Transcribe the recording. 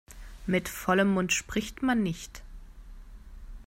Mit vollem Mund spricht man nicht.